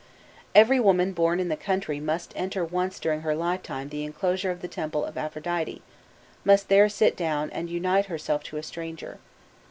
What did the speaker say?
"Every woman born in the country must enter once during her lifetime the enclosure of the temple of Aphrodite, must there sit down and unite herself to a stranger.